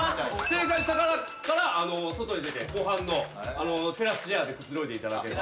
正解した方から外へ出て湖畔のテラスチェアでくつろいでいただければ。